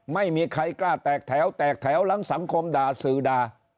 ไม่มีใครกล้าแตกแถวแตกแถวหลังสังคมด่าสื่อด่า